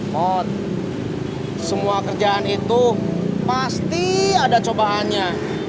mot semua kerjaan itu pasti ada cobaannya